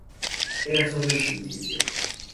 Era sólo el principio.